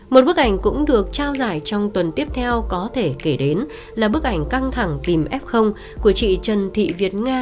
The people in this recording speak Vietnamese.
một bức ảnh cũng được trao giải trong tuần tiếp theo có thể kể đến là bức ảnh căng thẳng tìm f của chị trần thị việt nga